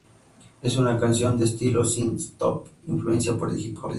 Es una canción de estilo synthpop, influenciada por el hip hop.